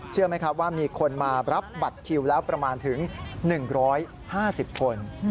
เชื่อไหมครับว่ามีคนมารับบัตรคิวแล้วประมาณถึง๑๕๐คน